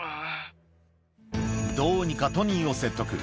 どうにかトニーを説得。